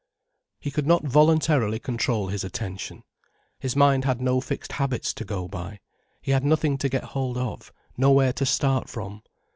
He could not voluntarily control his attention. His mind had no fixed habits to go by, he had nothing to get hold of, nowhere to start from.